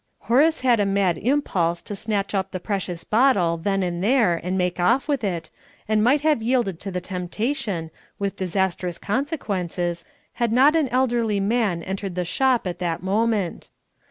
Horace had a mad impulse to snatch up the precious bottle then and there and make off with it, and might have yielded to the temptation, with disastrous consequences, had not an elderly man entered the shop at that moment.